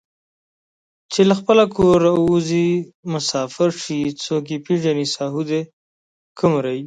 چې له خپله کوره اوځي مسافر شي څوک یې پېژني ساهو دی که مریی